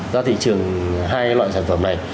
ra thị trường hai loại sản phẩm này